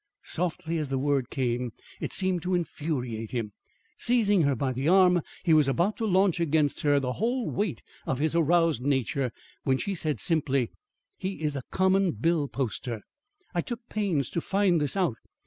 Softly as the word came, it seemed to infuriate him. Seizing her by the arm, he was about to launch against her the whole weight of his aroused nature, when she said simply: "He is a common bill poster. I took pains to find this out.